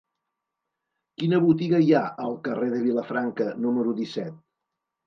Quina botiga hi ha al carrer de Vilafranca número disset?